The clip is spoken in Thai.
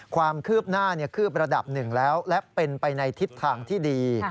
ความคืบหน้าคืบระดับหนึ่งแล้วและเป็นไปในทิศทางที่ดี